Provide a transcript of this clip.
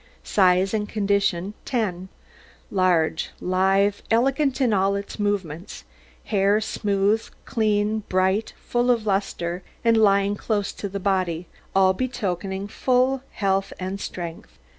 SIZE AND CONDITION 10 Large, lithe, elegant in all its movements; hair smooth, clean, bright, full of lustre, and lying close to the body, all betokening full health and strength.